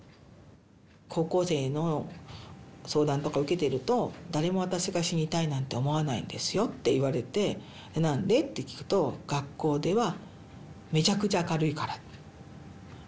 高校生の相談とか受けてると誰も私が死にたいなんて思わないんですよって言われて「何で？」って聞くと学校ではめちゃくちゃ明るいから。